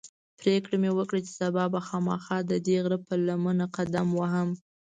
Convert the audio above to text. پرېکړه مې وکړه چې سبا به خامخا ددې غره پر لمنه قدم وهم.